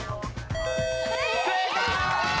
正解！